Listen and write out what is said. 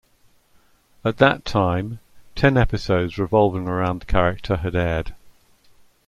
At that time, ten episodes revolving around the character had aired.